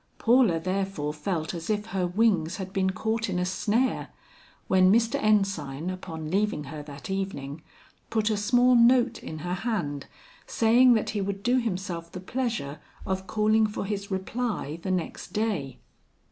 Paula therefore felt as if her wings had been caught in a snare, when Mr. Ensign upon leaving her that evening, put a small note in her hand, saying that he would do himself the pleasure of calling for his reply the next day.